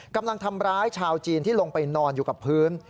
กำลังทำร้ายชาวจีนที่ลงไปนอนอยู่กับพื้น